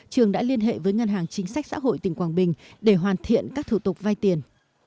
trường đã liên hệ với ngân hàng chính sách xã hội tỉnh quảng bình để hoàn thiện các thủ tục vay tiền